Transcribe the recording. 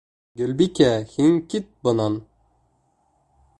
Гөлбикә, һин кит бынан.